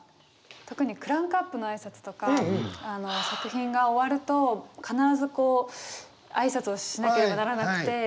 特にクランクアップの挨拶とか作品が終わると必ず挨拶をしなければならなくて。